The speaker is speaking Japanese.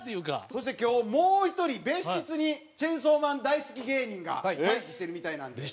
そして今日もう１人別室にチェンソーマン大好き芸人が待機してるみたいなんで。